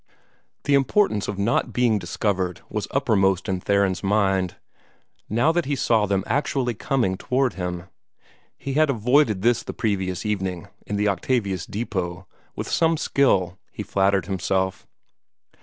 The importance of not being discovered was uppermost in Theron's mind, now that he saw them actually coming toward him. He had avoided this the previous evening, in the Octavius depot, with some skill, he flattered himself.